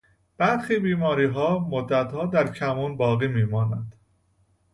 برخی بیماریها مدتها در کمون باقی میماند.